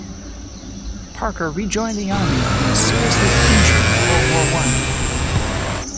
Parker rejoined the army and was seriously injured in World War I.